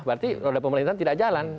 berarti roda pemerintahan tidak jalan